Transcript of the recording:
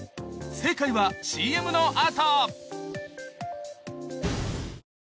正解はＣＭの後！